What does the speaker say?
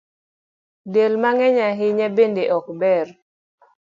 Del mang’eny ahinya bende ok ber